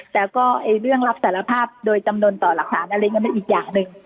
แต่เรื่องรับสารภาพโดยจำนวนต่อหลักศาสตร์ไม่มีื่นอีกอย่าง